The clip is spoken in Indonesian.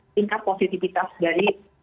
tingkat positifitas dari